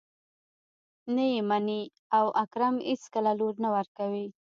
نه يې مني او اکرم اېڅکله لور نه ورکوي.